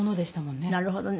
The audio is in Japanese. なるほどね。